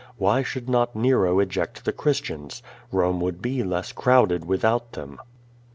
WHiy should not Nero eject the Christians? Rome would be less crowded without them.